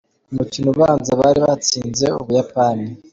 Ku mukino ubanza bari batsinze u Buyapani.